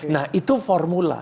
nah itu formula